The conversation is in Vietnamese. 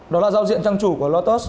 đó là giao diện trang chủ của lotus